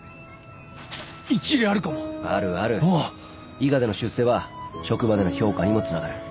伊賀での出世は職場での評価にもつながる。